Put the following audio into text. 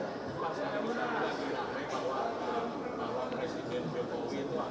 masalah munas keinginan pemerintah bahwa presiden jokowi itu akhir